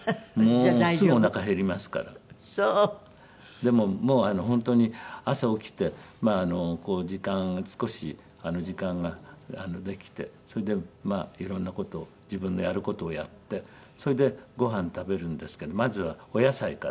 でももう本当に朝起きてまあこう時間少し時間ができてそれでまあいろんな事を自分のやる事をやってそれでごはん食べるんですけどまずはお野菜から。